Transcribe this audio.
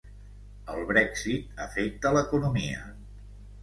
El Brexit afecta l'economia